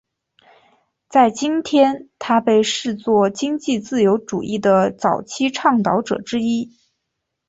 在今天他被视作经济自由主义的早期倡导者之一。